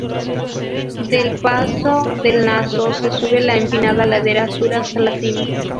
Del paso del Naso se sube la empinada ladera sur hasta la cima.